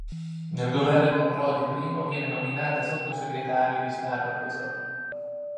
Nel Governo Prodi I viene nominata sottosegretario di Stato al Tesoro.